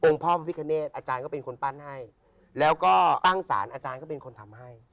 พ่อพระพิคเนตอาจารย์ก็เป็นคนปั้นให้แล้วก็ตั้งสารอาจารย์ก็เป็นคนทำให้